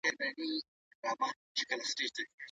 که تخته وي نو موضوع نه پټیږي.